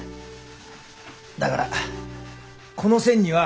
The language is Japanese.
だからこの線には。